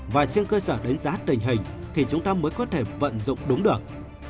và trên cơ sở đánh giá tình hình thì chúng ta mới có thể vận dụng đúng được